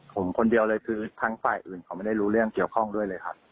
ผมคนเดียวเลยคือทั้งฝ่ายอื่นเขาไม่ได้รู้เรื่องเกี่ยวข้องด้วยเลยครับ